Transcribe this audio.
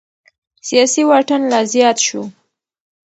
سياسي واټن لا زيات شو.